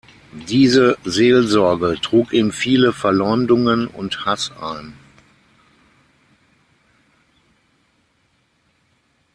Diese Seelsorge trug ihm viele Verleumdungen und Hass ein.